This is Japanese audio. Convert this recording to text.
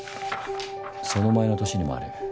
その前の年にもある。